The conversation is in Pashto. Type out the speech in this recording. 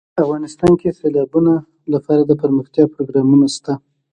افغانستان کې د سیلابونه لپاره دپرمختیا پروګرامونه شته.